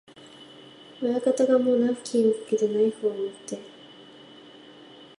親方がもうナフキンをかけて、ナイフをもって、